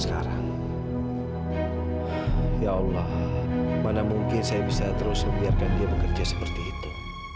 sekarang ya allah mana mungkin saya bisa terus membiarkan dia bekerja seperti itu